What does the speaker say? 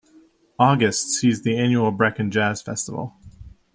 August sees the annual Brecon Jazz Festival.